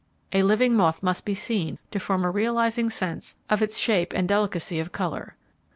A living moth must be seen to form a realizing sense of its shape and delicacy of colour.